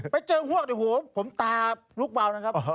ไปเจอหวบผมตาลูกเบานะครับ